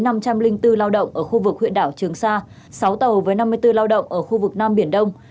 tàu cá có năm mươi bốn lao động ở khu vực huyện đảo trường sa sáu tàu với năm mươi bốn lao động ở khu vực nam biển đông